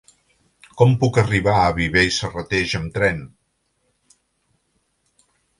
Com puc arribar a Viver i Serrateix amb tren?